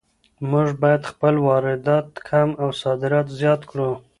مونږ بايد خپل واردات کم او صادرات زيات کړو.